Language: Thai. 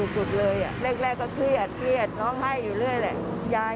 ทั้งบ้าน